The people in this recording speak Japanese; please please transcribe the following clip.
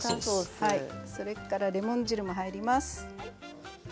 それからレモン汁も入ります。